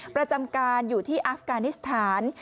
ประจำการอยู่ที่อัฟกานิสถาน